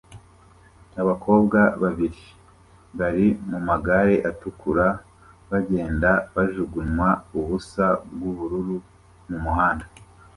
Abakobwa babiri bari mumagare atukura bagenda bajugunywa ubusa bwubururu mumuhanda